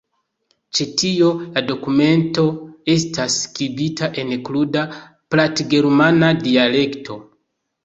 Ĉe tio la dokumento estas skribita en kruda platgermana dialekto.